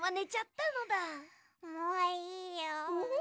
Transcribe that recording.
もういいよ。